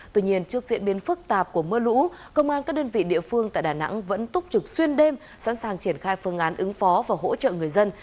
tuy nhiên trước diễn biến phức tạp của mưa lũ công an các đơn vị địa phương tại đà nẵng vẫn túc trực xuyên đêm sẵn sàng triển khai phương án ứng phó và hỗ trợ người dân